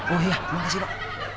oh iya terima kasih pak